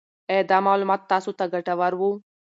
آیا دا معلومات تاسو ته ګټور وو؟